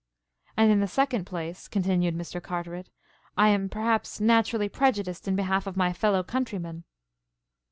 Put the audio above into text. "And in the second place," continued Mr. Carteret, "I am perhaps naturally prejudiced in behalf of my fellow countrymen."